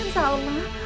ini kemahalan salma